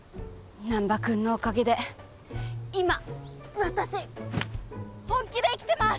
難破君のおかげで今私本気で生きてます！